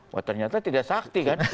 wah ternyata tidak sakti kan